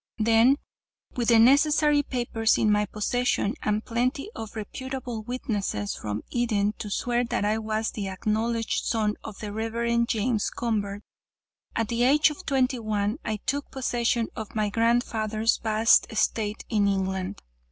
Then, with the necessary papers in my possession, and plenty of reputable witnesses from Eden to swear that I was the acknowledged son of the Rev. James Convert, at the age of twenty one I took possession of my grandfather's vast estate in England.